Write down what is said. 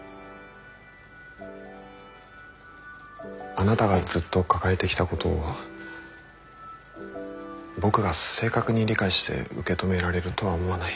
あなたがずっと抱えてきたことを僕が正確に理解して受け止められるとは思わない。